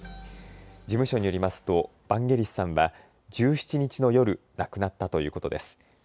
事務所によりますとバンゲリスさんは１７日の夜、亡くなったということです。